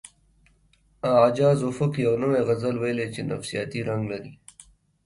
اعجاز افق یو نوی غزل ویلی چې نفسیاتي رنګ لري